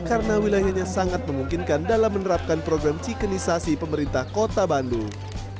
karena wilayahnya sangat memungkinkan dalam menerapkan program cikenisasi pemerintah kota bandung